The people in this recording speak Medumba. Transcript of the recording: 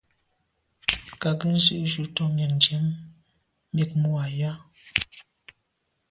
Kâ gə́ zí’jú tɔ̌ míɛ̂nʤám mjɛ̂k mú à yá.